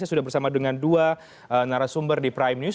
saya sudah bersama dengan dua narasumber di prime news